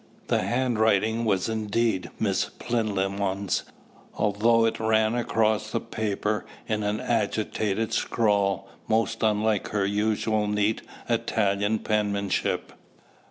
The handwriting was indeed Miss Plinlimmon's, although it ran across the paper in an agitated scrawl most unlike her usual neat Italian penmanship.